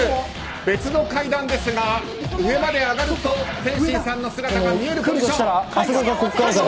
別の階段ですが上まで上がると天心さんの姿が見えるかと。